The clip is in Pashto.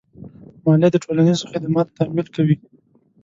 مالیه د ټولنیزو خدماتو تمویل کوي.